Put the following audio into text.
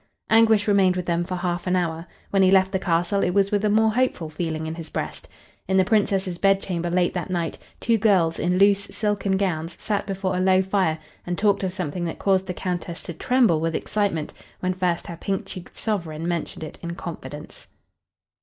Anguish remained with them for half an hour. When he left the castle it was with a more hopeful feeling in his breast. In the Princess's bed chamber late that night, two girls, in loose, silken gowns sat before a low fire and talked of something that caused the Countess to tremble with excitement when first her pink cheeked sovereign mentioned it in confidence.